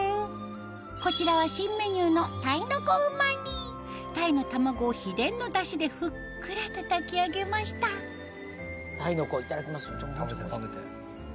こちらは新メニューの鯛の卵を秘伝のダシでふっくらと炊き上げました鯛の子いただきます。